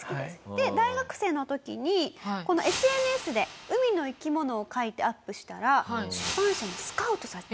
で大学生の時にＳＮＳで海の生き物を描いてアップしたら出版社にスカウトされた。